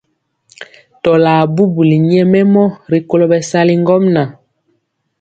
Tɔlar bubuli nyɛmemɔ rikolo bɛsali ŋgomnaŋ.